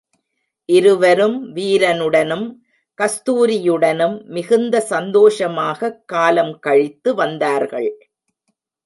இருவரும் வீரனுடனும் கஸ்தூரியுடனும் மிகுந்த சந்தோஷமாகக் காலம் கழித்து வந்தார்கள்.